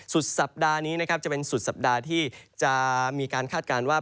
สุดสัปดาห์นี้นะครับจะเป็นสุดสัปดาห์ที่จะมีการคาดการณ์ว่า